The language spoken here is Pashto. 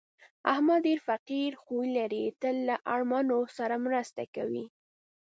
احمد ډېر فقیر خوی لري، تل له اړمنو سره مرسته کوي.